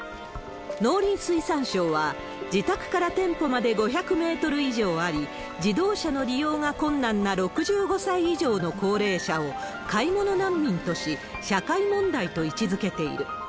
農林水産省は、自宅から店舗まで５００メートル以上あり、自動車の利用が困難な６５歳以上の高齢者を買い物難民とし、社会問題と位置づけている。